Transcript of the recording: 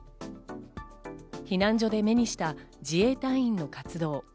避難所で目にした自衛隊員の活動。